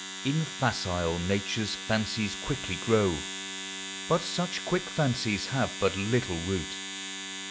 In facile natures fancies quickly grow, But such quick fancies have # but little root.